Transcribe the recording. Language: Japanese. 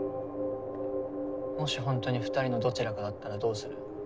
もしほんとに二人のどちらかだったらどうする？